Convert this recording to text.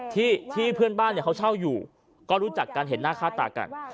ที่เพื่อนบ้านเนี่ยเขาเช่าอยู่ก็รู้จักกันเห็นหน้าค่าตากัน